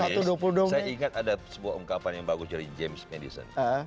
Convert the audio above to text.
saya ingat ada sebuah ungkapan yang bagus dari james medison